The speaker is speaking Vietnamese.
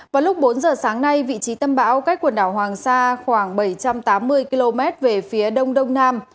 vào lúc bốn giờ sáng nay vị trí tâm bão cách quần đảo hoàng sa khoảng bảy trăm tám mươi km về phía đông đông nam